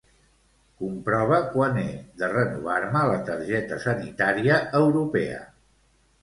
Comprova quan he de renovar-me la targeta sanitària europea.